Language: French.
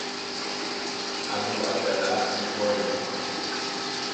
Abû `Abd Allâh y voit une opportunité.